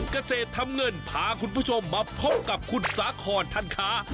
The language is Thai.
เกษตรทำเงินพาคุณผู้ชมมาพบกับคุณสาคอนทันค้า